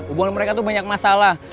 hubungan mereka itu banyak masalah